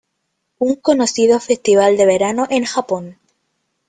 Un conocido festival de verano en Japón.